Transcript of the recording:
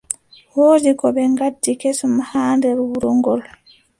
Woodi ko ɓe ngaddi kesum haa nder wuro ngol.